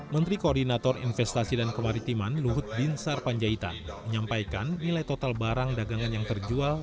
menteri koordinator investasi dan kemaritiman luhut binsar panjaitan menyampaikan nilai total barang dagangan yang terjual